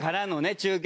中継